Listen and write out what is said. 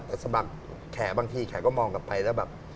แต่สะบักแขบางทีแขกก็มองกลับไปแล้วแบบ